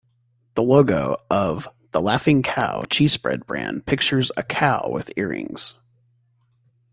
The logo of "The Laughing Cow" cheese spread brand pictures a cow with earrings.